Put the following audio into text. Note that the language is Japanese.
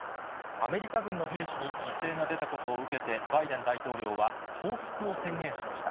アメリカ軍の兵士に犠牲が出たことを受けてバイデン大統領は報復を宣言しました。